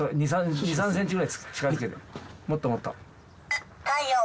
もっともっと。